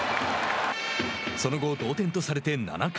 その後、同点とされて７回。